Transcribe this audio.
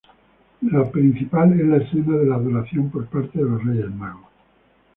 La principal es la escena de la adoración por parte de los Reyes Magos.